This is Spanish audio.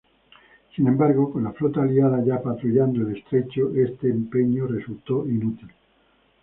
Sin embargo, con la flota aliada ya patrullando el estrecho, este empeño resultó inútil.